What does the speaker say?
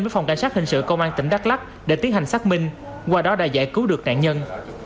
với phòng cảnh sát hình sự công an tỉnh đắk lắc để tiến hành xác minh qua đó đã giải cứu được nạn nhân